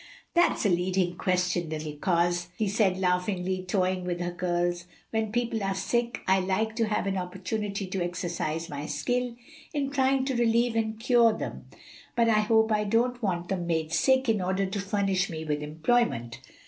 "That's a leading question, little coz," he said laughingly, toying with her curls. "When people are sick I like to have an opportunity to exercise my skill in trying to relieve and cure them, but I hope I don't want them made sick in order to furnish me with employment."